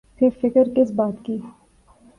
پھر فکر کس بات کی۔